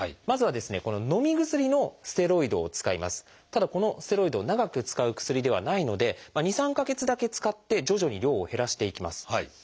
ただこのステロイド長く使う薬ではないので２３か月だけ使って徐々に量を減らしていきます。